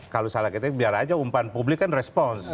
kalau salah kita biar aja umpan publik kan respons